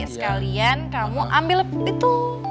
sekalian kamu ambil itu